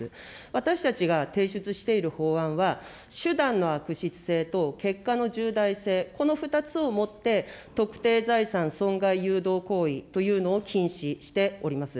私たちが提出している法案は、手段の悪質性と結果の重大性、この２つをもって、特定財産損害誘導行為というのを禁止しております。